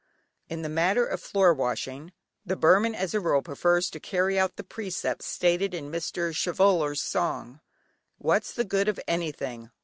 In the matter of floor washing the Burman as a rule prefers to carry out the precepts stated in Mr. Chevallier's song: "What's the good of anything?